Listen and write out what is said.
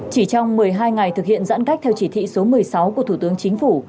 chỉ trong một mươi hai ngày thực hiện giãn cách theo chỉ thị số một mươi sáu của thủ tướng chính phủ